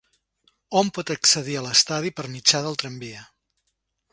Hom pot accedir a l'estadi per mitjà del tramvia.